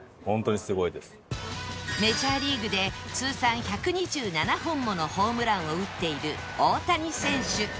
メジャーリーグで通算１２７本ものホームランを打っている大谷選手